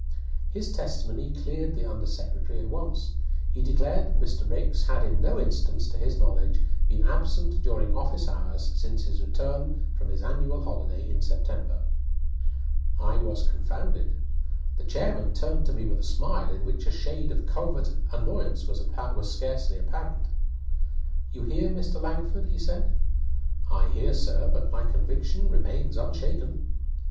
His testimony cleared the under secretary at once. He declared that Mr. Raikes had in no instance, to his knowledge, been absent during office hours since his return from his annual holiday in September. I was confounded. The chairman turned to me with a smile, in which a shade of covert annoyance was scarcely apparent. "You hear, Mr. Langford?" he said. "I hear, sir; but my conviction remains unshaken."